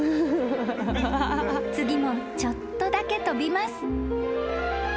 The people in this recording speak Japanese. ［次もちょっとだけ飛びます］